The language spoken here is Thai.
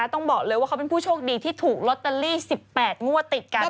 ต้องบอกเลยว่าเขาเป็นผู้โชคดีที่ถูกลอตเตอรี่๑๘งวดติดกัน